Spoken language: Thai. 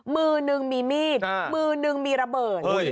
มือนึงมีมีดมือหนึ่งมีระเบิด